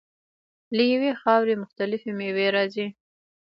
له یوې خاورې مختلفې میوې راځي.